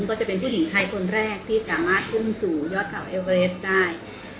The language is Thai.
ก็จะเป็นผู้หญิงไทยคนแรกที่สามารถขึ้นสู่ยอดเขาเอเวอเรสได้